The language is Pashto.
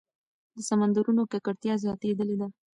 د سمندرونو ککړتیا زیاتېدلې ده.